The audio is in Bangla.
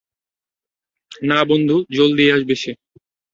না বন্ধু, জলদিই আসবে সে।